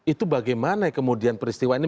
itu bagaimana kemudian peristiwa ini